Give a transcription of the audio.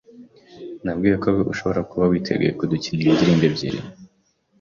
Nabwiwe ko ushobora kuba witeguye kudukinira indirimbo ebyiri